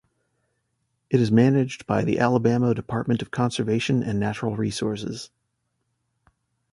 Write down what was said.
It is managed by the Alabama Department of Conservation and Natural Resources.